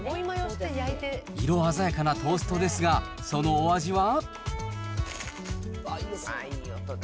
色鮮やかなトーストですが、そのお味は？